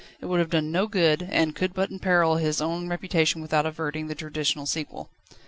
It would have done no good, and could but imperil his own reputation without averting the traditional sequel.